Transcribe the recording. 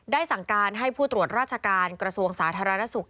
สั่งการให้ผู้ตรวจราชการกระทรวงสาธารณสุข